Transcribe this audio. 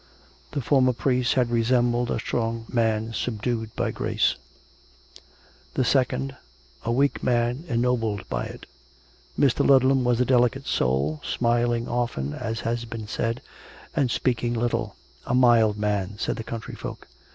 The former priest had resembled a strong man subdued by grace; the second, a weak man ennobled by it. Mr. Ludlam was a delicate soul, smiling often, as has been said, and speaking little —" a mild man," said the country folk.